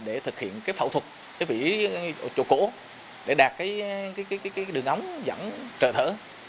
để thực hiện cái phẫu thuật cái vỉ chỗ cổ để đạt cái đường ống dẫn trở thở